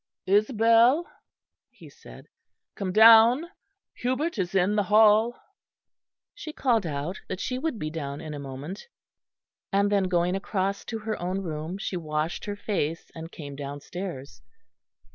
"Isabel," he said, "come down. Hubert is in the hall." She called out that she would be down in a moment; and then going across to her own room she washed her face and came downstairs.